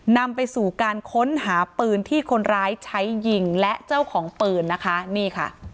นำไปสู่การค้นหาปืนที่คนร้ายใช้ยิงและเจ้าของปืนนะคะนี่ค่ะ